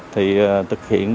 thì thực hiện